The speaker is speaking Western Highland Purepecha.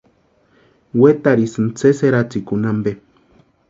Wetarhisïnti sési eratsikuni ampe.